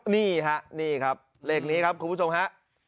นี่ค่ะเลขนี้ครับคุณผู้ชมค่ะ